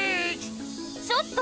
ちょっと！